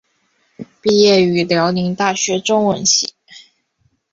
毕业于辽宁大学中文系。